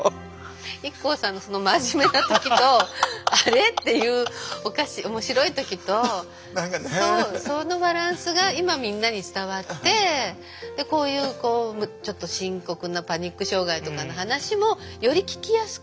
ＩＫＫＯさんのその真面目な時と「あれ？」っていう面白い時とそのバランスが今みんなに伝わってでこういうちょっと深刻なパニック障害とかの話もより聞きやすく。